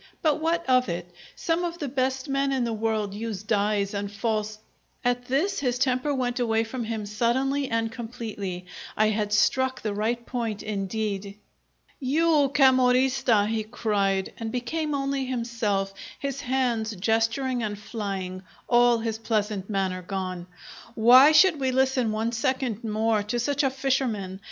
"But what of it? Some of the best men in the world use dyes and false " At this his temper went away from him suddenly and completely. I had struck the right point indeed! "You cammorrista!" he cried, and became only himself, his hands gesturing and flying, all his pleasant manner gone. "Why should we listen one second more to such a fisherman!